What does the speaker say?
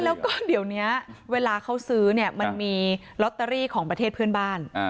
แล้วก็เดี๋ยวนี้เวลาเขาซื้อเนี่ยมันมีลอตเตอรี่ของประเทศเพื่อนบ้าน